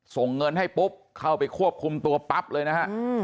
ส่งเงินให้ปุ๊บเข้าไปควบคุมตัวปั๊บเลยนะฮะ